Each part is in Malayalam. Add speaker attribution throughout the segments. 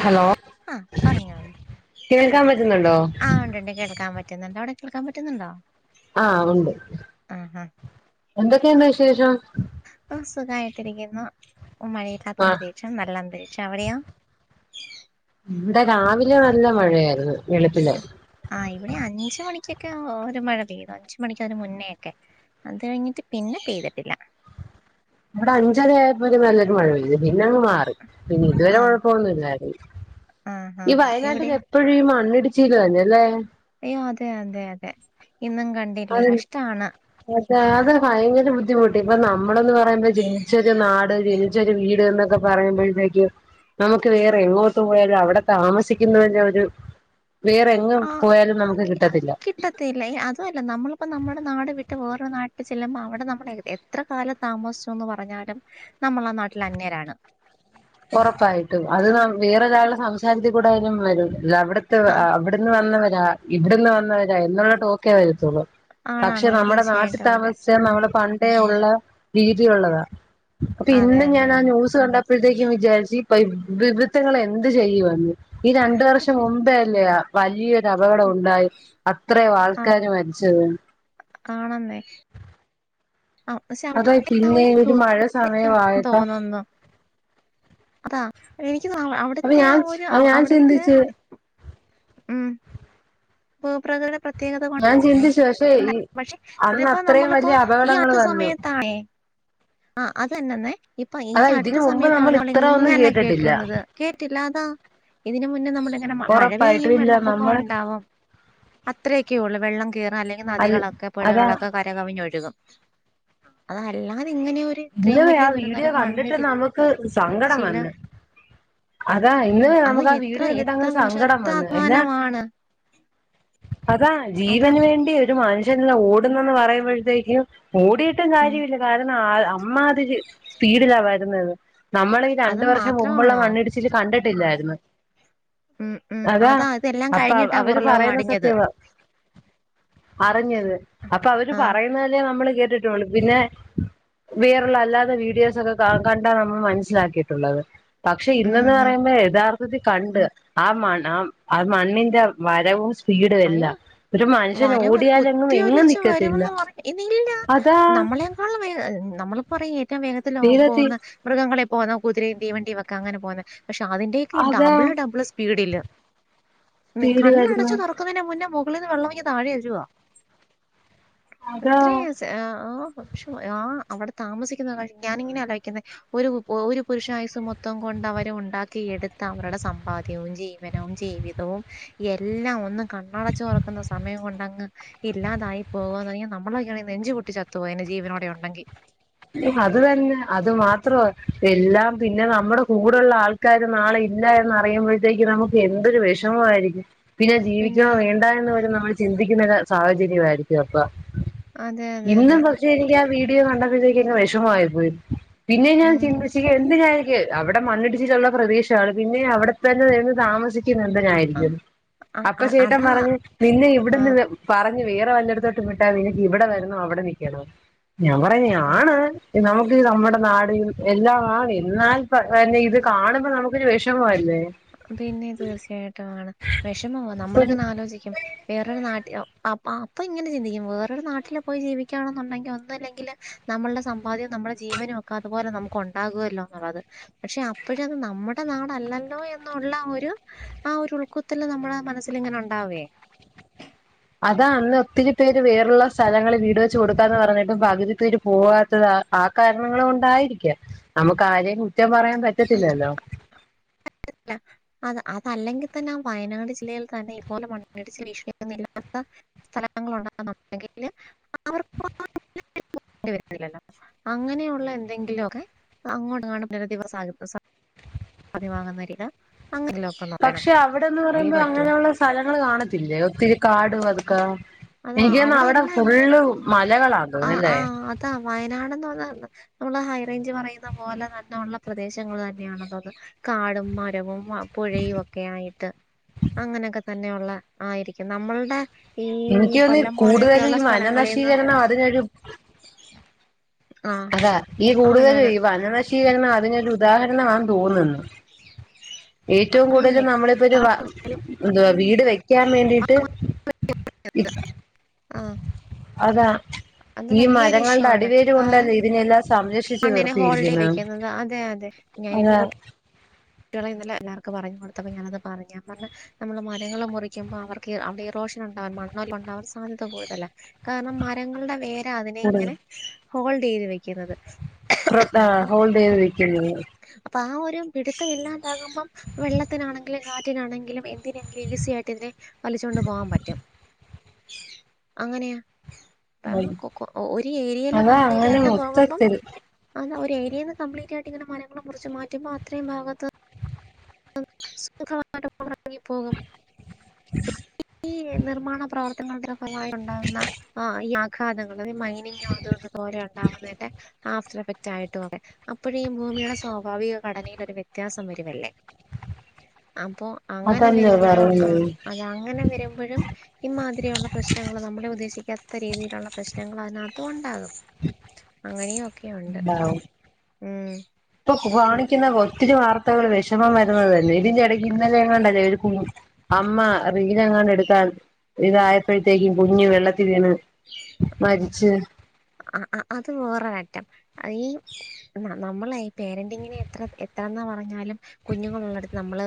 Speaker 1: ഹലോ
Speaker 2: ആ പറഞ്ഞോളിൻ
Speaker 1: കേൾക്കാൻ പറ്റുന്നുണ്ടോ
Speaker 2: ആ ഉണ്ട്ഉണ്ട് കേൾക്കാൻ പറ്റും പറ്റുന്നുണ്ട് അവിടെ കേൾക്കാൻ പറ്റുന്നുണ്ടോ?
Speaker 1: ആഹ് ഒണ്ട്
Speaker 2: ആഹാ
Speaker 1: എന്തൊക്കെയുണ്ട് വിശേഷം?
Speaker 2: ആ സുഖമായിട്ടിരിക്കുന്നു. ഇപ്പം മഴയില്ലാത്ത
Speaker 1: ആഹ്
Speaker 2: അന്തരീക്ഷം നല്ല അന്തരീക്ഷം. അവിടെയോ?
Speaker 1: ഇവിടെ രാവിലെ നല്ല മഴയായിരുന്നു വെളുപ്പിലെ
Speaker 2: ആ ഇവിടെ അഞ്ച് മണിക്കൊക്കെ ഒരു മഴ പെയ്തു അഞ്ച് മണിക്കതിനു മുന്നേയൊക്കെ അത് കഴിഞ്ഞിട്ട് പിന്നെ പെയ്തിട്ടില്ല
Speaker 1: ഇവിടെ അഞ്ചരയായപ്പോ ഒരു നല്ലൊരു മഴ പെയ്തു. പിന്നങ്ങ് മാറി പിന്നെ ഇതുവരെ
Speaker 2: ആ
Speaker 1: കുഴപ്പൊന്നുമില്ലായിരുന്നു.
Speaker 2: ആ ആ
Speaker 1: ഈ
Speaker 2: ആ ഇവിടെ
Speaker 1: വയനാട്ടില് എപ്പോഴും ഈ മണ്ണിടിച്ചിൽ തന്നല്ലേ
Speaker 2: അയ്യോ അതെ അതെ അതെ ഇന്നും കണ്ടില്ലേ കഷ്ടാണ്
Speaker 1: അതെ അതെ ഭയങ്കര ബുദ്ധിമുട്ട് ഇപ്പൊ നമ്മളന്ന് പറയുമ്പോ ജനിച്ചൊരു നാട് ജനി ച്ചൊരു വീട് എന്നൊക്കെ പറയുമ്പോഴത്തേക്കും നമുക്ക് വേറെ എങ്ങോട്ട് പോയാലും അവിടെ താമസിക്കുന്നതിനൊരു വേറെ എങ്ങും പോയാലും നമുക്ക് കിട്ടത്തില്ല
Speaker 2: അതല്ല അതുവല്ല നമ്മളിപ്പോ നമ്മുടെ നാട് വിട്ട് ഓരോ നാട്ടിൽ ചെല്ലുമ്പോ അവിടെ നമ്മടെ എത്ര കാലം താമസിച്ചൂന്ന് പറഞ്ഞാലും നമ്മള് ആ നാട്ടിൽ അനൃരാണ്
Speaker 1: ഉറപ്പായിട്ടും അത് വേറൊരാളുടെ സംസാരത്തിൽ കൂടായാലും വരും അവിടുത്തെ
Speaker 2: ആ
Speaker 1: അവിടുത്ത ഇന്ന് വന്നവരാ ഇവിടുന്ന് വന്നവരാ എന്നുള്ള ടോക്കേ വരത്തോള്ളൂ
Speaker 2: ആണാണ്
Speaker 1: പക്ഷെ
Speaker 2: അത്
Speaker 1: നമ്മുടെ നാട്ടിൽ
Speaker 2: തീർച്ചയായിട്ടും അതെ
Speaker 1: താമസിച്ചാ നമ്മുടെ പണ്ടേ ഉള്ള രീതിയുള്ളതാ അപ്പൊ
Speaker 2: അതെ
Speaker 1: ഇന്ന്
Speaker 2: അതെ
Speaker 1: ഞാൻ ആ
Speaker 2: അതെ
Speaker 1: ന്യൂസ് കണ്ടപ്പോഴത്തേക്കും വിചാരിച്ച് ഇവ ഇവത്തുങ്ങൾ എന്ത് ചെയ്യുമെന്ന് ഈ രണ്ട് വർഷം മുമ്പേ അല്ലേ വലിയ അപകടം ഉണ്ടായത് അത്രയും ആൾക്കാര് മരിച്ചത്.
Speaker 2: ആണ് എന്നേ. ആ പക്ഷെ
Speaker 1: അതാ
Speaker 2: അവിടെ
Speaker 1: പിന്നെ
Speaker 2: ഒരു ഭൂ
Speaker 1: മഴ
Speaker 2: എന്ന്
Speaker 1: സമയമായപ്പോ
Speaker 2: തോന്നുന്നു. അതാ എനിക്ക്
Speaker 1: അപ്പൊ
Speaker 2: അവിടുത്തെ
Speaker 1: ഞാൻ
Speaker 2: ആഹ് ഒരു
Speaker 1: ഞാൻ
Speaker 2: അവിടുത്തെ
Speaker 1: ചിന്തിച്ച്
Speaker 2: ഉം. ഭൂപ്രകൃതിടെ പ്രത്യേകത കൊണ്ട്.
Speaker 1: ആഹ് ചിന്തിച്ച് പക്ഷെ. ഈ
Speaker 2: പക്ഷെ
Speaker 1: അന്ന്
Speaker 2: ഇതിപ്പോ
Speaker 1: അത്രയും
Speaker 2: നമ്മളിപ്പോ
Speaker 1: വലിയ
Speaker 2: ഈ
Speaker 1: അപകടങ്ങൾ
Speaker 2: യാത്ര
Speaker 1: വന്നു
Speaker 2: സമയത്താണേ. ആഹ് അതന്നെ എന്നെ ഇപ്പൊ ഈ
Speaker 1: അതാ
Speaker 2: അടുത്ത
Speaker 1: ഇതിന് മുമ്പ്
Speaker 2: സമയത്താണ് നമ്മൾ
Speaker 1: ഇത്ര ഒന്നും
Speaker 2: ഇങ്ങനെ
Speaker 1: കേട്ടിട്ടില്ല
Speaker 2: കേൾക്കുന്നത്. കേട്ടില്ലാ അതാ ഇതിന് മുന്നേ നമ്മുടെ. അങ്ങനെ മഴ
Speaker 1: ഉറപ്പായിട്ടും
Speaker 2: പെയ്യും
Speaker 1: ഇല്ല
Speaker 2: വെള്ളപ്പൊക്കം
Speaker 1: നമ്മൾ
Speaker 2: ഉണ്ടാവും അത്രയൊക്കെ ഉള്ളൂ വെള്ളം കേറാല്.
Speaker 1: അൽ
Speaker 2: നദികളൊക്കെ
Speaker 1: അതാ
Speaker 2: പുഴകളൊക്കെ കര കവിഞ്ഞൊഴുകും അതല്ലാതിങ്ങനെ ഒരു.
Speaker 1: ഇന്ന്
Speaker 2: ഇത്രയും
Speaker 1: വെ
Speaker 2: വലിയ
Speaker 1: ആഹ്
Speaker 2: ദുരന്തം
Speaker 1: വീഡിയോ
Speaker 2: അല്ല,
Speaker 1: കണ്ടിട്ട്
Speaker 2: മണ്ണിടിച്ചില്
Speaker 1: നമുക്ക് സങ്കടം വന്ന്. അതാ ഇന്ന്
Speaker 2: പിന്നെ അത്
Speaker 1: നമുക്ക് ആഹ്
Speaker 2: എത്ര
Speaker 1: വീഡിയോ കണ്ടിട്ട്
Speaker 2: എത്ര
Speaker 1: അങ്ങ് സങ്കടം
Speaker 2: വർഷത്തെ
Speaker 1: വന്ന് അല്ല.
Speaker 2: അധ്വാനമാണ്
Speaker 1: അതാ
Speaker 2: അതാ
Speaker 1: ജീവന് വേണ്ടി ഒരു മനുഷ്യ ജനങ്ങളെല്ലാം ഓടുന്ന് യെന്ന് പറയുമ്പോഴത്തേക്കും ഓടിയിട്ടും
Speaker 2: ഉം
Speaker 1: കാര്യമില്ല കാരണം ആ അമ്മാതിരി സ്പീഡിലാ വരുന്നത് നമ്മൾ ഈ
Speaker 2: അത്
Speaker 1: രണ്ട് വർഷം മുമ്പുള്ള
Speaker 2: മാത്രമാണോ
Speaker 1: മണ്ണിടിച്ചില്. ഇച്ചിരി കണ്ടിട്ടില്ലായിരുന്നു.
Speaker 2: ഉം ഉം
Speaker 1: അതാ
Speaker 2: ഇതെല്ലാം
Speaker 1: അപ്പൊ
Speaker 2: കഴിഞ്ഞിട്ടാ
Speaker 1: അവര്
Speaker 2: പുറലോകം
Speaker 1: പറയുന്ന
Speaker 2: അടിഞ്ഞത്
Speaker 1: സത്യവാ. അറിഞ്ഞത് അപ്പൊ അവര്
Speaker 2: ആഹ്
Speaker 1: പറയുന്നല്ലേ നമ്മള് കേട്ടിട്ടള്ളൂ പിന്നെ. വേറുള്ള അല്ലാതെ വീഡിയോസ് ഒക്കെ കണ്ടാ നമ്മൾ മനസ്സിലാക്കിയിട്ടുള്ളത്. പക്ഷെ
Speaker 2: ഉം
Speaker 1: ഇന്ന് യെന്ന്
Speaker 2: ഉം
Speaker 1: പറയുമ്പോ യഥാർത്ഥ ത്തി കണ്ട് ആഹ് മണ് ആഹ് ആഹ് മണ്ണിന്റെ വരവും.
Speaker 2: അയ്യോ
Speaker 1: സ്പീഡുയെല്ലാം ഒരു മനുഷ്യൻ
Speaker 2: വരവ്
Speaker 1: ഓടിയാലെങ്ങും എങ്ങും
Speaker 2: കുത്തിയൊലിച്ച്
Speaker 1: നിക്കത്തില്ല
Speaker 2: വരുമെന്ന്
Speaker 1: അതാ.
Speaker 2: ആഹ് നമ്മളി പറയ് ഏറ്റവും വേഗത്തില്
Speaker 1: വേഗത്തി
Speaker 2: പോകുന്ന. മൃഗങ്ങളെ പോന്നോ കൂതിരയും തീവണ്ടി വെക്ക അങ്ങനെ പോന്നെ. പക്ഷെ അതിന്റെ ഒക്കെ ഈ
Speaker 1: അതാ
Speaker 2: ഡബിള് ഡബിള് സ്പീഡില്
Speaker 1: സ്പീഡ്
Speaker 2: കണ്ണട
Speaker 1: വരുന്നു
Speaker 2: ച്ചു തുറക്കുന്നതിന്റെ മുന്നെ മുകളിൽ നിന്ന് വെള്ളം ഇങ്ങ് താഴെ വരുവാ
Speaker 1: അതാ
Speaker 2: അത്രേയ് ആഹ് പക്ഷെ ആഹ് അവിടെ താമസിക്കുന്ന കാര്യം ഞാനിങ്ങനെ ആലോചിയ്ക്കുന്നെ. ഒരു ഒരു പുരുഷായുസ് മൊത്തം കൊണ്ട് അവരെ ഉണ്ടാക്കി എടുത്ത അവരുടെ സമ്പാദ്യവും, ജീവനും ജീവിത വും എല്ലാം ഒന്നും കണ്ണടച്ചു തുറക്കുന്ന സമയം കൊണ്ട് അങ്ങ്. ഇല്ലാതായി പോകുവാ പറഞ്ഞാ നമ്മളൊക്കെയാണെ നെഞ്ച് പൊട്ടി ചത്തു പോയേനെ ജീവനോടെ ഉണ്ടെങ്കി.
Speaker 1: അത് തന്നെ അത് മാത്രമോ എല്ലാം പിന്നെ നമ്മുടെ കൂടെ ഉള്ള ആൾക്കാ ക്കാര് നാളെ ഇല്ല എന്ന് അറിയുമ്പോഴത്തേക്ക് നമുക്ക് എന്തൊരു വിഷമമായിരിക്കും. പിന്നെ ജീവിക്കണോ വേണ്ടയോ എന്ന് വരെ നമ്മള് ചിന്തിക്കുന്ന സാഹചര്യ ആയിരിക്കും അപ്പം.
Speaker 2: അതെ അതെ
Speaker 1: ഇന്നും
Speaker 2: അതെ
Speaker 1: പക്ഷെ എനിക്ക് ആഹ് വീഡിയോ കണ്ടപ്പോഴത്തേക്ക് അങ്ങ് വിഷമമായിപ്പോയി. പിന്നെ ഞാൻ
Speaker 2: ഉം
Speaker 1: ചിന്തിച്ച് എന്തിനായിരിക്കും. ക്ക്അവിടെ മണ്ണിടിച്ചിലുള്ള പ്രദേശമാണ് പിന്നെ അവിടെ തന്നെ നിന്ന് താമസിക്ക
Speaker 2: ആ
Speaker 1: ക്കുന്നെന്തിനായിരിക്കും എന്ന്
Speaker 2: ആ,
Speaker 1: അപ്പൊ
Speaker 2: ആ,
Speaker 1: ചേട്ടൻ
Speaker 2: അതാ
Speaker 1: പറഞ്ഞ് നിന്നെ
Speaker 2: ആ
Speaker 1: ഇവിടുന്ന്. പറഞ്ഞ് വേറെ വല്ലിടത്തോട്ട് വിട്ടാ നിനക്ക് ഇവിടെ വരുന്നോ അവിടെ നിക്കണോ ഞാൻ പറഞ്ഞ്
Speaker 2: ആ
Speaker 1: ആണ്. നമുക്ക് നമ്മുടെ നാടും എല്ലാം ആണ് എന്നാൽ തന്നെ ഇത്. കാണുമ്പോ നമുക്കൊരു വിഷമമല്ലേ.
Speaker 2: പിന്നെ തീർച്ചയായിട്ടും ആണ് വിഷമമോ
Speaker 1: ഇപ്പൊരു
Speaker 2: നമ്മളിങ്ങനെ ആലോചിക്കും. വേറൊരു നാട്ടിൽ അ അപ്പൊ ഇങ്ങനെ ചിന്തിക്കും വേറൊരു നാട്ടില് പോയി ജീവിക്കുകണൊന്നുണ്ടെങ്കിൽ ഒന്നും ഇല്ലെങ്കില്. നമ്മളുടെ സമ്പാദ്യവും നമ്മുടെ ജീവനും ഒക്കെ അതുപോലെ നമുക്ക് ഉണ്ടാകുമല്ലോ എന്നുള്ളത്. പക്ഷെ അപ്പോഴും അത് നമ്മുടെ നാട് അല്ലല്ലോ എന്നു ള്ള ഒരു ആഹ് ഒരു ഉൾക്കുത്തല് നമ്മളെ മനസ്സിൽ ഇങ്ങനെ ഉണ്ടാകുവേ.
Speaker 1: അതാ അന്ന് ഒത്തിരി പേര് വെറു ഉള്ള സ്ഥലങ്ങളിൽ വീട് വെച്ച് കൊടുക്കാന്ന് പറഞ്ഞപ്പോ പകുതിപ്പേര് പോകാത്തതാ. ആഹ് കാരണങ്ങൾ കൊണ്ടായിരിക്കാം നമുക്ക് ആരെയും കുറ്റം പറയാൻ പറ്റത്തില്ലല്ലോ.
Speaker 2: പറ്റത്തില്ല. അത അതല്ലെങ്കിൽ തന്നെ വയനാട് ജില്ലയിൽ തന്നെ ഇത്പോലെ മണ്ണിടിച്ചിൽ വിഷയമൊന്നു ഇല്ലാത്ത സ്ഥലങ്ങളാണെന്നുണ്ടെങ്കില് അവർക്ക്. [unintelligible] അങ്ങനെയുള്ള എന്തെങ്കിലുമൊക്കെ അങ്ങോട്ട കാണ ദിവസ സദ്യ വാങ്ങുന്ന വരിക അങ്ങനോ
Speaker 1: പക്ഷെ അവിടെന്ന് പറയുമ്പോ അങ്ങനെയുള്ള സ്ഥലങ്ങള്ൾ കാണത്തില്ലേ ഒത്തിരി കാട് അതക്കാ
Speaker 2: അതാ
Speaker 1: എനിക്ക് തന്ന അവിടെ
Speaker 2: എല്ലാം ഇങ്ങനെ
Speaker 1: ഫുള്ള് മലകളാ
Speaker 2: ആഹ്
Speaker 1: തോന്നല്ലേ
Speaker 2: ആഹ് വയനാട്ന്ന് പറഞ്ഞ നമ്മള് ഹൈ റേഞ്ച് പറയുന്ന പോലെ തന്നെ ഉള്ള പ്രദേശങ്ങൾ തന്നെയാണല്ല അത് കാടും മരവും പുഴയും ഒക്കെ ആയിട്ട് അങ്ങനെയൊക്കെ തന്നെയള്ള ആയിരിക്കും നമ്മളുടെ ഈ
Speaker 1: എനിക്ക് തോന്നുന്നു
Speaker 2: കൊല്ലം
Speaker 1: കൂടുതൽ
Speaker 2: പോലെയൊക്കെയള്ള
Speaker 1: ഈ
Speaker 2: സ്ഥലങ്ങളിൽന്നും
Speaker 1: വനനശീകരണം അതിനൊരു അതാ ഈ കൂടുതലും
Speaker 2: ആണാണ്
Speaker 1: ഈ വനനശീകരണം അതിനൊരു ഉദാഹരണമാ തോന്നുന്നു ഏറ്റവും കൂടുതൽ
Speaker 2: ആണെന്നേ
Speaker 1: നമ്മളിപ്പോ ഒരു എന്തവാ വീട് വെക്കാൻ വേണ്ടിട്ട് അതാ
Speaker 2: അത്
Speaker 1: ഈ
Speaker 2: വലിയൊരു ഇഷ്യൂ
Speaker 1: മരങ്ങളുടെ
Speaker 2: ആണ്
Speaker 1: അടിവേര്
Speaker 2: കാരണം
Speaker 1: കൊണ്ടല്ലേ ഇതിനെല്ലാം സംരക്ഷിച്ചച്ച്
Speaker 2: മണ്ണിനെ ഹോൾഡ് ചെയ്ത്
Speaker 1: വീർത്തിയിരിക്കുന്നു
Speaker 2: വെക്കുന്നത് അതെ ഞാനിപ്പോ കുട്ടികളന്നല്ലർക്കും പറഞ്ഞഞ് കൊടുത്തപ്പോ ഞാനത് പറഞ്ഞ പറഞ്ഞ നമ്മള് മരങ്ങള്ൾ മുറിക്കുമ്പോ അവർക്ക് അവിടെ റോഷൻ ഉണ്ടാവാൻ മണ്ണെല്ലാം ഉണ്ടാവാൻ സാധ്യത പോലതല്ല കാരണം മരങ്ങളുടെ വേരാ അതിനെ ഇങ്ങനെ ഹോൾഡ് ചെയ്ത് വെക്കുന്നത്
Speaker 1: പ്ര ആഹ്
Speaker 2: ഉം
Speaker 1: ഹോൾഡതിക്ക
Speaker 2: അപ്പൊ ആഹ് ഒരു പിടുത്തം ഇല്ലാതാകുമ്പം വെള്ളത്തിനാണെങ്കിലും കാറ്റിനാണെങ്കിലും എന്തിനെങ്കിലും ഈസി ആായിട്ട് ഇതിനെ വലിച്ചുകൊണ്ട് പോകാൻ പറ്റും അങ്ങനെയാ? ആഹ് കൊ ഒരു ഏരിയല്ലാം
Speaker 1: അതാ
Speaker 2: കംപ്ലീറ്റ്
Speaker 1: അങ്ങനെ
Speaker 2: ആയിട്ട് പോകുമ്പം
Speaker 1: മൊത്തത്തിൽ
Speaker 2: ആഹ് ഒരു രിയയിൽന്ന് കബ്ലീറ്റ് ആയിട്ട്ങ്ങനെ മനങ്ങളും കുറിച്ച് മാറ്റുമ്പോ അത്രയും ഭാഗത്ത് സുഖമായിട്ട് കൊണ്ടറങ്ങിപ്പോകും ഈ നിർമ്മാണ പ്രവർത്തന ഭാമായി ഉണ്ടാകുന്ന ആഹ് ആഘാതങ്ങൾ അ മൈനി അത പോലെ ഉണ്ടാവുന്നതിന്റെ ആഹ് തറ്റായിട്ടും ഒക്കെ അപ്പോഴും ഈ ഭൂമിയുടെ സ്വാഭാവിക ഘടനയിലൊ ഒരു വ്യത്യാസം വരുമല്ലേ അപ്പൊ അങ്ങനെ
Speaker 1: അതല്ലേ
Speaker 2: വരുമ്പോഴോ ആഹ്
Speaker 1: പറയുന്നത്
Speaker 2: അത് അങ്ങനെ വരുമ്പോഴും ഇഈമാതിരിെയുള്ള പ്രശ്നങ്ങൾ നമ്മളെ ഉദ്ദേശിക്കാത്ത രീതിയിലുള്ള പ്രശ്നങ്ങൾ അതിനകത്തും ഉണ്ടാകും അങ്ങനെയുമ ഒക്കെയ ഉണ്ട്
Speaker 1: ഉണ്ടാവ
Speaker 2: ഉം
Speaker 1: ഇപ്പൊ
Speaker 2: ശരി.
Speaker 1: കാണിക്കുന്ന ഒത്തിരി വാർത്തകൾ വ മ മരുന്നത് തന്നെ ഇതിറെ ഇടയ്ക്ക് ഇന്നലെ കൊണ്ടല്ലേ ഒരു അമ്മ റീനങ്ങാണ്ട് എടുക്കാൻ ഇതായപ്പോഴത്തേക്കും കുഞ്ഞും വെള്ളത്തി വീണ് മരിച്ച്
Speaker 2: ആഹ് അത് വേറെ ട്ടം അഹ് ഈ നമ്മളെ ഈ പേരന്റിങ്ങനെ എത്ര എത്രന്നാ പറഞ്ഞാലും കുഞ്ഞുങ്ങളൾുള്ളടുത്ത് നമ്മള്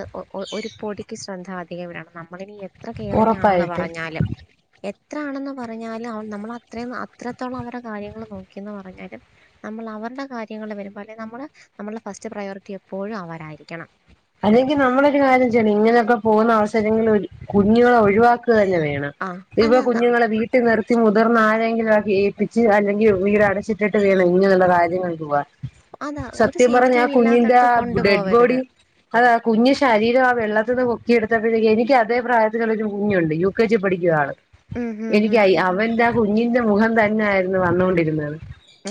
Speaker 2: ഒരു പൊടിക്ക് ശ്രദ്ധ അധികം വടണം നമ്മളിന എത്ര കെയറിംഗ ആണെന്ന്
Speaker 1: ഉറപ്പായിട്ട്
Speaker 2: പറഞ്ഞാലും എത്ര ആണെന്ന് പറഞ്ഞാലും നമ്മൾ അത്ര അത്രത്തോളം അവരുടെ കാര്യങ്ങള്ൾ നോക്കിന്ന് പറഞ്ഞാലും നമ്മൾ അവരുടെ കാര്യങ്ങൾ വരുമ്പോൾ അല്ലെങ്കിൽ നമ്മള് നമ്മളുടെ ഫസ്റ്റ് പ്രയോറിറ്റി എപ്പോഴും അവരായിരിക്കണം
Speaker 1: അല്ലെങ്കിൽ നമ്മളൊരു കാര്യംച്ച ഇങ്ങനെയൊക്കെ പോകുന്ന അവസരങ്ങളിൽ കുഞ്ഞുങ്ങളെ ഒഴിവാക്കി തന്നെ വേണം
Speaker 2: ആ
Speaker 1: ഇവ
Speaker 2: അതാ ന-
Speaker 1: കുഞ്ഞുങ്ങളെ വീ ട്ടി നിർത്തി മുതിർന്ന ആരെെങ്കിലും ആക്കി ഏപ്പിച്ച് അല്ലെങ്കിൽ ടിച്ചിട്ടിട്ട് വേണം ഇനി നല്ല ആയം ക പോവാ
Speaker 2: അതാ ഒരു
Speaker 1: സത്യം പറ ഞാൻ
Speaker 2: സേഫ്റ്റിയും
Speaker 1: കുഞ്ഞിന്റെ
Speaker 2: ഇല്ലാത്തടത്ത്
Speaker 1: ആഹ് ഡെഡ് ബോഡി
Speaker 2: കൊണ്ടുപോവരുത്
Speaker 1: അതാ കുഞ്ഞു ശരീരം ആ വെള്ളത്തിുന്ന് പൊക്കെടുത്തപ്പോഴത്തേക്കക്ക് എനിക്ക് അതേ പ്രായത്തി കുഞ്ഞുണ്ട് യു കെ ജി പഠിക്കുക ആള്
Speaker 2: ഉം ഉം
Speaker 1: എനിക്ക്
Speaker 2: ഉം
Speaker 1: അവൻന്താ കുഞ്ഞിന്റെ മുഖം തന്നെ ആയിരുന്നു വന്നൊണ്ടിരുന്നത്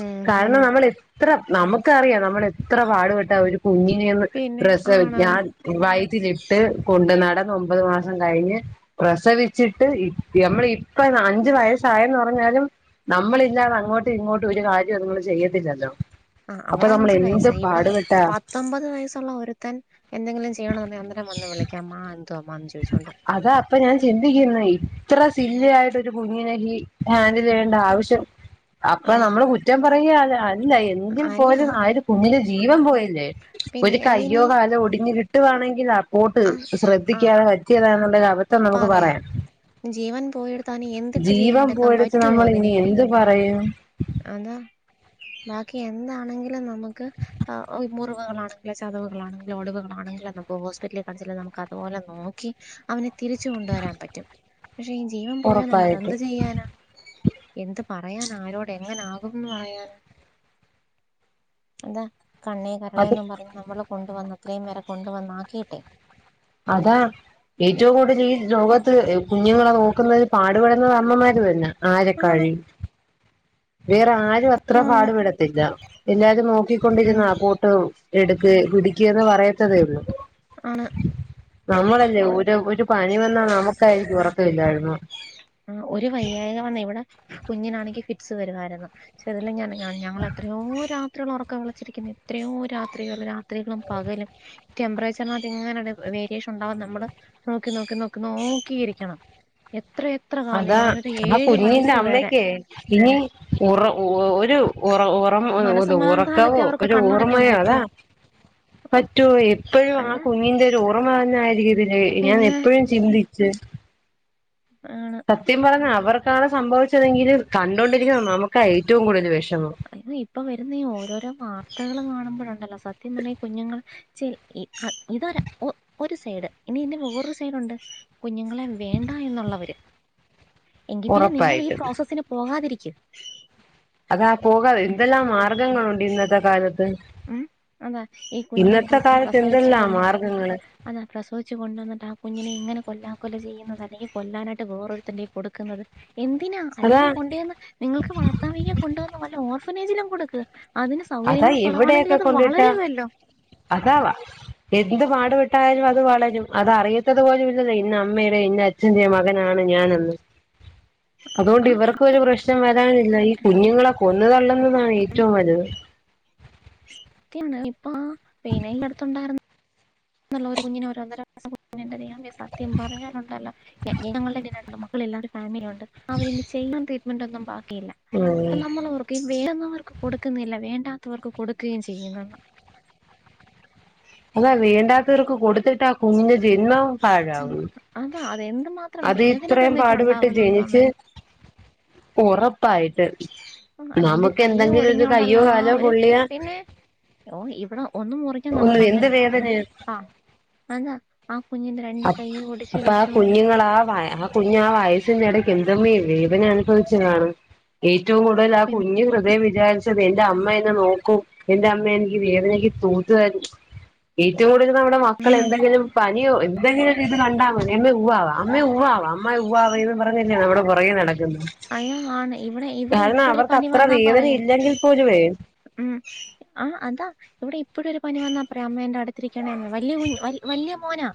Speaker 2: ഉം ഉം
Speaker 1: കാരണം നമ്മൾ എത്ര നമുക്കറിയാം നമ്മള എത്ര പാടുപെട്ട ഒരു കുഞ്ഞിനെയന്ന്
Speaker 2: പിന്നെ
Speaker 1: ച്ച്
Speaker 2: ആണാണ്
Speaker 1: ഞാൻ വൈറ്റിലിട്ട് കൊണ്ട് നടന്ന് ഒമ്പത് മാസം കയിഞ്ഞ് പ്രസവിച്ചിട്ട് ഇ ഞമ്മളിപ്പ അഞ്ചു വയസ്സായെന്ന് പറഞ്ഞാലും നമ്മളില്ലാതെ അങ്ങോട്ടും ഇങ്ങോട്ടും ഒരു കാര്യം അത്ങ്ങള് ചെയ്യത്തില്ലല്ലോ
Speaker 2: ആഹ്
Speaker 1: അപ്പൊ
Speaker 2: അവിടെ
Speaker 1: നമ്മൾ
Speaker 2: അഞ്ചു
Speaker 1: എന്ത്
Speaker 2: വയസ്സ് ഇവിടെ
Speaker 1: പാടുപെട്ടാ
Speaker 2: പത്തൊമ്പ ത് വയസുള്ള ഒരുത്തൻ എന്തെങ്കിലും ചെയ്യണുണ്ടെങ്കിൽ അന്നേരം വന്നു വിളിക്കണം അമ്മാ എന്തോ അമ്മാന്ന് ചോദിച്ചോണ്ട്
Speaker 1: അതാ അപ്പൊ ഞാൻ ചിന്തിക്കുന്നെ ഇത്ര സില്ലിയായിട്ടൊരു കുഞ്ഞിനെ ഹി ഹാൻഡില് ചെയ്യേണ്ട
Speaker 2: ആഹ്
Speaker 1: ആവശ്യം അപ്പൊ
Speaker 2: ആഹ്
Speaker 1: നമ്മള് കുറ്റം പറയ്യാ ല്ലേ ഇല്ല എങ്കിൽ
Speaker 2: അല്ല
Speaker 1: പോലും ആയൊര് കുഞ്ഞിന് ജീവൻ പോയില്ലേ ഒരു
Speaker 2: പിന്നെ
Speaker 1: കയ്യോ
Speaker 2: അതിനി
Speaker 1: കാലോ ഒടിഞ്ഞ് കി ട്ടുവാണെങ്കിലാ പോട്ട്
Speaker 2: ആഹ് ആഹ്
Speaker 1: ശ്രദ്ധിക്കാതെ പറ്റിയതാ എന്നുള്ളൊരു അബദ്ധം നമുക്ക് പറയാം
Speaker 2: ജീവൻ പോയെടുത്താ നീ എന്തിട്ട്
Speaker 1: ജീവൻ
Speaker 2: ജീവനെടുക്കാൻ
Speaker 1: പോയെടുത്ത്
Speaker 2: പറ്റുവോ
Speaker 1: നമ്മൾ ഇനി
Speaker 2: അതിനേനെ
Speaker 1: എന്ത് പറയും
Speaker 2: അതാ ബാക്കി എന്താണെങ്കിലും നമുക്ക് ആഹ് ഓഹ് മുറിവുകളാണെങ്കിലോ ചതവുകളാണെങ്കിലോ ഒടിവുകളാണെങ്കിലോ നമ്മക്ക് ഹോസ്പിറ്റലി കാണിച്ചാ നമുക്ക് അതുപോലെ നോ ക്കി അവനെ തിരിച്ചു കൊണ്ടുവരാൻ പറ്റും പക്ഷെ ഈ ജീവൻ പോയാ നമ്മൾ
Speaker 1: ഉറപ്പായിട്ട്
Speaker 2: എന്ത് ചെയ്യാനാ എന്ത് പറയാനാ ആരോട് എങ്ങനാകുംന്ന് പറയാനാ അതാ കണ്ണേ
Speaker 1: അത്
Speaker 2: കരളേന്നും പറഞ്ഞ് നമ്മള് കൊണ്ടുവന്ന് ഇത്രയും വരെ കൊണ്ടു വന്നാക്കിയിട്ടേ
Speaker 1: അതാ ഏറ്റവും കൂടുതല് ഈ ലോകത്ത് ഏഹ് കുഞ്ഞുങ്ങളെ നോക്കുന്നത് പാടുപെടുന്നത് അമ്മമാര് തന്നാ
Speaker 2: ആണ്
Speaker 1: ആരക്കാഴി വേറെ ആരും അത്ര
Speaker 2: ആണ്
Speaker 1: പാടുപെടത്തില്ല എല്ലാരും
Speaker 2: ഉം
Speaker 1: നോക്കിക്കൊണ്ടിരുന്നാ കൂട്ട് എടുക്കേ പിടിക്കേന്ന് പറയത്തതേ ഒള്ളൂ
Speaker 2: ആണ്
Speaker 1: നമ്മളല്ലേ ഒരു ഒരു പനി വന്നാ നമുക്കായിരിക്കും ഉറക്കമില്ലായ്മ
Speaker 2: ആഹ് ഒരു വയ്യായ്ക വന്നാ ഇവിടെ കുഞ്ഞിനാണെങ്കി ഫിറ്റ്സ് വരുമായിരുന്നു പക്ഷെ ഇതെല്ലാം ഞാൻ ഞ ഞങ്ങള് എത്രയോ രാത്രികള് ഒറക്കം ഒളച്ചിരിക്കുന്നു എത്രയോ രാത്രികള് രാത്രികളും പകലും ടെംമ്പറേച്ചറിനാത്തു എങ്ങനെ വേ വേരിയേഷൻ ഉണ്ടാവും നമ്മള് നോക്കി നോക്കി നോക്കി നോക്കിയിരിക്കണം എത്ര എത്ര കാലം
Speaker 1: അതാ
Speaker 2: ഞാനൊരു
Speaker 1: എന്നാ
Speaker 2: ഏഴ്
Speaker 1: കുഞ്ഞിന്റെ
Speaker 2: വയസ്സ് വരെ
Speaker 1: അമ്മയൊക്കെയേ ഇനി ഉറ ഒ ഒരു ഉറ ഉറ ഉം
Speaker 2: മനസമാധാനത്തെ
Speaker 1: ഉറക്കാവോ
Speaker 2: അവർക്ക്
Speaker 1: ഒരു
Speaker 2: കണ്ണടയ്ക്കാൻ
Speaker 1: ഓർമ്മയോ അതാ
Speaker 2: പറ്റുവോ അപ്പൊ
Speaker 1: പറ്റോ എപ്പഴും ആ
Speaker 2: എന്താ
Speaker 1: കുഞ്ഞിന്റെ ഒരു ഓർമ്മ തന്നെ ആയിരിക്കത്തില്ലേ ഞാൻ
Speaker 2: പിന്നെ
Speaker 1: എപ്പഴും ചിന്തിച്ച്
Speaker 2: ആണ്
Speaker 1: സത്യം പറഞ്ഞാ അവർക്കാണ് സംഭവിച്ചതെങ്കിലിലും കണ്ടോണ്ടിരിക്കുന്നത് നമുക്കാ ഏറ്റവും കൂടുതല് വിഷമം
Speaker 2: അയിന് ഇപ്പൊ വരുന്ന ഈ ഓരോരോ വാർത്തകളും കാണുമ്പോഴുണ്ടല്ലോ സത്യം പറഞ്ഞാ ഈ കുഞ്ഞുങ്ങള് ചി ഇ ഒ ഇതൊരാ ഒ ഒരു സൈഡ് ഇനി ഇന്റെ വേറൊരു സൈഡുണ്ട് കുഞ്ഞുങ്ങളെ വേണ്ടാ എന്നുള്ളവര് എങ്കി പിന്നെ നിങ്ങളീ
Speaker 1: ഉറപ്പായിട്ടും
Speaker 2: പ്രോസസിന് പോകാതിരിക്ക്
Speaker 1: അതാ പോകാതെ
Speaker 2: ഉം
Speaker 1: എന്തെല്ലാം മാർഗങ്ങളുണ്ട് ഇന്നത്തെ കാലത്ത്
Speaker 2: ഉം അതാ ഈ കുഞ്ഞിനെ
Speaker 1: ഇന്നത്തെ
Speaker 2: പ്രസ
Speaker 1: കാലത്ത്
Speaker 2: പ്രസവിച്ചു കൊ
Speaker 1: എന്തെല്ലാം മാർഗങ്ങള്
Speaker 2: അതാ പ്രസവിച്ച് കൊണ്ടുവന്നിട്ട് ആ കുഞ്ഞിനെ ഇങ്ങനെ കൊല്ലാ കൊല ചെയ്യുന്നത് അല്ലെങ്കി കൊല്ലാനായിട്ട് വേറൊരുത്തന്റെ കയ്യി കൊടുക്കുന്നത് എന്തിനാ
Speaker 1: അതാ
Speaker 2: അല്ലെങ്കി കൊണ്ടു ചെന്ന് നിങ്ങൾക്ക് വളർത്താ വയ്യെ കൊണ്ടുവന്ന് വല്ല ഓർഫനേജിലും കൊടുക്ക് അതിന്
Speaker 1: അതാ
Speaker 2: സൗകര്യങ്ങളും കുറവാണെങ്കില് അത് വളരുവല്ലോ
Speaker 1: അതാ വാ എന്ത് പാടുപെട്ടായാലും അത് വളരും അത് അറിയത്തത് പോലും ഇല്ലന്നെ ഇന്ന അമ്മേടേ ഇന്ന അ ച്ഛന്റെ മകനാണ് ഞാനെന്ന് അതുകൊണ്ട് ഇവർക്കൊരു പ്രശ്നം വരാനില്ല ഈ കുഞ്ഞുങ്ങളെ കൊന്നു തള്ളുന്നതാണ് ഏറ്റവും വലുത്
Speaker 2: പിന്നെ ഇപ്പ ആഹ് പിന്നെ അടുത്തുണ്ടായിരുന്ന ന്നുള്ളൊരു കുഞ്ഞിനെ ഓരോന്നര വയസ്സ് ദൈവമേ സത്യം പറഞ്ഞാലുണ്ടല്ലോ ഞങ്ങള്ടെ [unintelligible] എല്ലാരും ഫാമിലിയുണ്ട് അവര് ഇനി ചെയ്യാൻ ട്രീറ്റ്മെന്റ് ഒന്നും ബാക്കിയില്ല
Speaker 1: ഉം
Speaker 2: അപ്പൊ നമ്മളോർ വേന്നവർക്ക് കൊടുക്കുന്നില്ല. വേണ്ടാത്തവർക്ക് കൊടുക്കുകയും ചെയ്യുന്നെന്ന്
Speaker 1: അതാ വേണ്ടാത്തവർക്ക് കൊടുത്തിട്ടാ കുഞ്ഞിന്റെ ജന്മം
Speaker 2: ഉം
Speaker 1: പാഴാവുന്നു.
Speaker 2: അതാ അത് എന്ത് മാ
Speaker 1: അത് ഇത്രയും പാടുപെട്ട് ജനിച്ച് ഒറപ്പായിട്ട്
Speaker 2: ആ രണ്ട്
Speaker 1: നമക്ക്
Speaker 2: കൈയും
Speaker 1: എന്തെങ്കിലും ഒരു
Speaker 2: ഒടിഞ്ഞോണ്ടുള്ള
Speaker 1: കയ്യോ കാലോ പൊള്ളിയ
Speaker 2: ഓഹ് ഇവടെ ഒന്നു മുറിഞ്ഞാൽ
Speaker 1: ഓ
Speaker 2: നമുക്ക്
Speaker 1: എന്ത്
Speaker 2: അന്നേരം
Speaker 1: വേദനയാ
Speaker 2: ആഹ് തന്ന ആ കുഞ്ഞിന്റെ രണ്ട്
Speaker 1: അപ്
Speaker 2: കൈയും ഒടിച്ച്
Speaker 1: അപ്പ ആ
Speaker 2: വെച്ചോണ്ടേ
Speaker 1: കുഞ്ഞുങ്ങളാ ആ വയറാ കുഞ്ഞ് ആ വയസ്സിന്റെ ഇടയ്ക്ക് എന്തമ്മേ വേദന അനുഭവിച്ച് കാണും ഏറ്റവും കൂടുതൽ ആ
Speaker 2: പിന്നെ
Speaker 1: കുഞ്ഞ് ഹൃദയം വിചാരി ത് എന്റെ അമ്മയെ എന്നെ നോക്കും. എന്റെ അമ്മ എനിക്ക് വേദനക്ക് തൂത്ത് തരും ഏറ്റവും കൂടുതല് നമ്മുടെ മക്കൾ എന്തെങ്കിലും പനിയോ എന്തെങ്കിലും ഇത് കണ്ടാൽ മതി. അമ്മേ ഉവ്വാവാ അമ്മേ ഉവ്വാവാ. അമ്മ ഉവ്വാവാവേന്ന് പറഞ്ഞല്ലേ നമ്മടെ പൊറകെ നടക്കുന്ന്
Speaker 2: അയ്യോ ആണ്. ഇവിടെ ഇവിടെ ഇപ്പഴു ഒരു പനി വന്നാ പറയും
Speaker 1: കോരുവേ
Speaker 2: ഉം ആഹ് അതാ ഇവിടെ ഇപ്പഴും ഒരു പനി വന്നാ പറയും അമ്മേ എന്റെ അടുത്തിരിക്കണേന്ന്. വലിയ കുൻഞ്ഞ് വലിയ മോനാ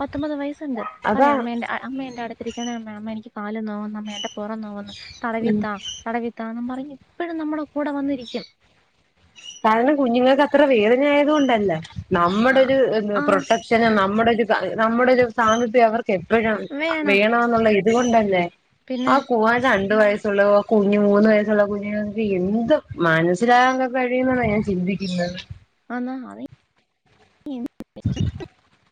Speaker 2: പത്തൊമ്പത് വയസ്സുണ്ട്
Speaker 1: അതാ
Speaker 2: പറയാം അമ്മേന്റെ അ അമ്മേ എന്റെ അടുത്തിരിക്കണേ അമ്മേ. അമ്മേ എനിക്ക് കാല് നോവുന്നമ്മേ. എന്റെ പുറം നോവുന്നു. തടവിത്താ തടവി താന്നും പറഞ്ഞ് ഇപ്പഴും നമ്മടെ കൂടെ വന്നിരിക്കും.
Speaker 1: കാരണം കുഞ്ഞുങ്ങൾക്ക് അത്ര വേദ ദന ആയത്കൊണ്ടല്ല. നമ്മട
Speaker 2: ആ
Speaker 1: ഒരു എന്ത്
Speaker 2: ആ
Speaker 1: പ്രൊട്ടക്ഷനും നമ്മടെ ഒരു ക നമ്മടെ ഒരു സാമീപ്യം അവർക് എപ്പഴും
Speaker 2: വേണം
Speaker 1: വേണമെന്നുള്ള ഇത് കൊണ്ടല്ലേ? ആ
Speaker 2: പിന്നെ
Speaker 1: കൂവാൻ രണ്ട് വയസ്സുള്ളവോ കുഞ്ഞ് മൂന്ന് വയസ്സുള്ള കുഞ്ഞുങ്ങൾക്ക് എന്ത് മനസ്സിലാക്കാൻ കഴിയുന്നാണ് ഞാൻ ചിന്തിക്കുന്നത്.
Speaker 2: ആന്ന് അതെ
Speaker 1: [inaudible]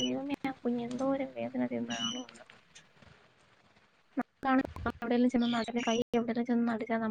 Speaker 2: ദൈവമേ ആ കുഞ്ഞ് എന്തോരം വേദന തിന്ന് കാണ്വോ? എന്തോ? അതാണ് നമുക്ക് എവിടെലുംചെന്ന് [unintelligible] ചെന്നടുക്ക ന